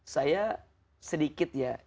saya sedikit ya